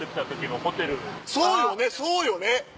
そうよねそうよね。